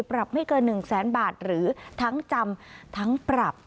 ปรับไม่เกิน๑แสนบาทหรือทั้งจำทั้งปรับ